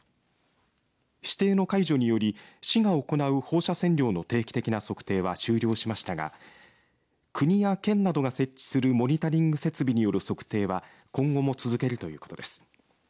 指定の解除により市が行う放射線量の定期的な測定は終了しましたが国や県などが設置するモニタリング設備による測定は今後も続けるということです。